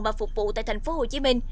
và phục vụ tại thành phố hồ chí minh